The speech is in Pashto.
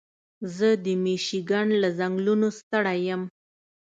زه د مېشیګن له ځنګلونو ستړی یم.